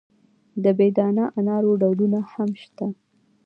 د بې دانه انارو ډولونه هم شته.